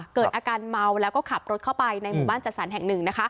เกิดอาการเมาแล้วก็ขับรถเข้าไปในหมู่บ้านจัดสรรแห่งหนึ่งนะคะ